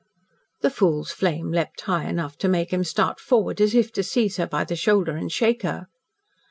The fool's flame leaped high enough to make him start forward, as if to seize her by the shoulder and shake her.